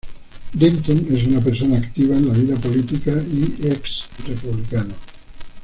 Denton es una persona activa en la vida política y ex republicano.